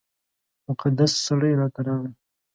مقدس سړی راته راغی.